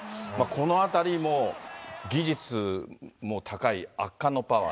このあたり技術も高い圧巻のパワー。